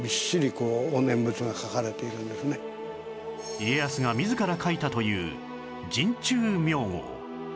家康が自ら書いたという陣中名号